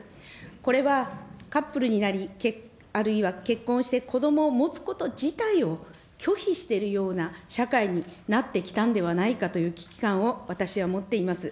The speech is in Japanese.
これはカップルになり、あるいは結婚して子どもを持つこと自体を、拒否しているような社会になってきたんではないかという危機感を私は持っています。